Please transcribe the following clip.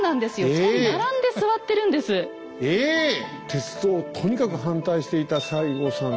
鉄道をとにかく反対していた西郷さん。